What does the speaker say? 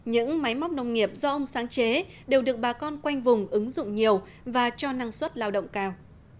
những máy móc nông nghiệp do ông sáng chế đều được bà con quanh vùng ứng dụng nhiều và cho năng suất lao động cao